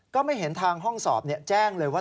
ก็ไม่เห็นทางห้องสอบแจ้งเลยว่า